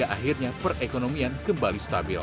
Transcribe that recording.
akhirnya perekonomian kembali stabil